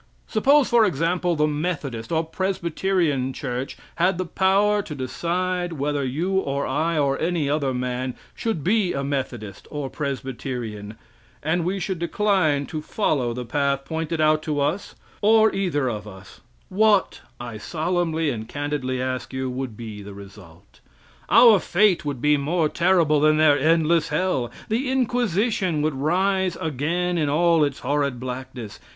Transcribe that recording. Suppose, for example, the Methodist, or Presbyterian church had the power to decide whether you, or I, or any other man, should be a Methodist or Presbyterian, and we should decline to follow the path pointed out to us, or either of us, what I solemnly and candidly ask you, would be the result? Our fate would be more terrible than their endless hell! The inquisition would rise again in all its horrid blackness!